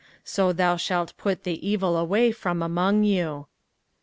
So thou shalt put the evil away from among you.